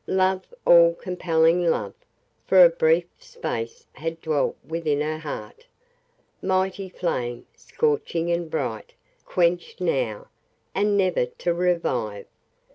Love all compelling love for a brief space had dwelt within her heart ... Mighty flame, scorching and bright, quenched now, and never to revive.